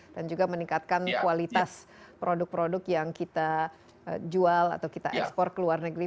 dan juga meningkatkan kualitas produk produk yang kita jual atau kita ekspor ke luar negeri